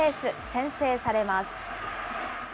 先制されます。